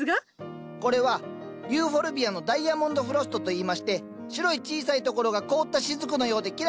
これはユーフォルビアのダイアモンド・フロストといいまして白い小さいところが凍った滴のようでキラキラ。